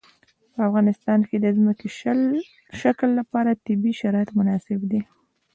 په افغانستان کې د ځمکنی شکل لپاره طبیعي شرایط مناسب دي.